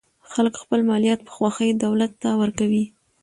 خلک خپل مالیات په خوښۍ دولت ته ورکوي.